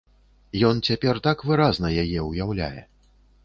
Ён цяпер так выразна яе ўяўляе.